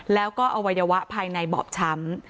แล้วก็อวัยวะภายในบอบช้ำ